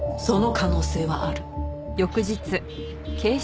その可能性はある。